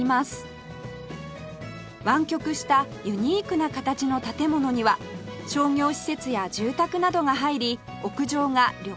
湾曲したユニークな形の建物には商業施設や住宅などが入り屋上が緑化される予定です